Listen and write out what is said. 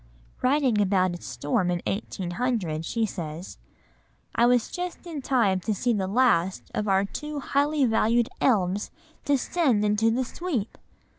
Writing about a storm in 1800, she says: "I was just in time to see the last of our two highly valued elms descend into the Sweep!!!